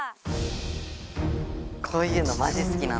こういうのマジすきなんだけど。